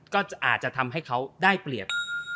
ก็อาจจะทำให้เขาได้เปรียบ